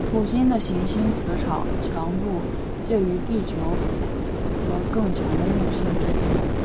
土星的行星磁场强度介于地球和更强的木星之间。